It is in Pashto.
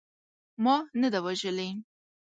ما نه ده وژلې.